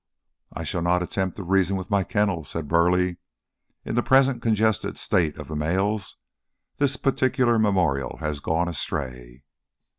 "I shall not attempt to reason with my kennel," said Burleigh. "In the present congested state of the mails this particular memorial has gone astray."